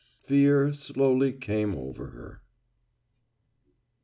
Fear slowly came over her.